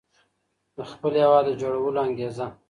د خپل هېواد د جوړولو انګېزه.